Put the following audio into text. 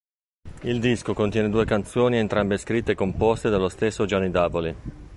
Il disco contiene due canzoni entrambe scritte e composte dallo stesso Gianni Davoli.